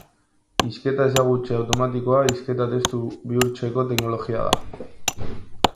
Hizketa-ezagutze automatikoa hizketa testu bihurtzeko teknologia da.